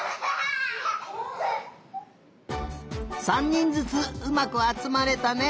３にんずつうまくあつまれたね。